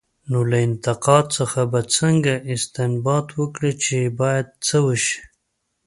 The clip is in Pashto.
نو له انتقاد څخه به څنګه استنباط وکړي، چې باید څه وشي؟